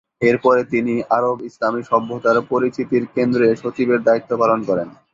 এরপরে তিনি আরব-ইসলামী সভ্যতার পরিচিতির কেন্দ্রে সচিবের দায়িত্ব পালন করেন।